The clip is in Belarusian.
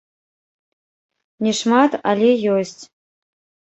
Не шмат, але ёсць.